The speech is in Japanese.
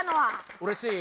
うれしい？